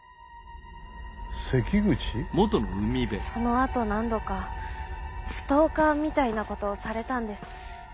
そのあと何度かストーカーみたいなことをされたんです。